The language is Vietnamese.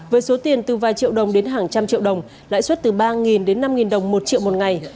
với số tiền từ vài triệu đồng đến hàng trăm triệu đồng lãi suất từ ba đến năm đồng một triệu một ngày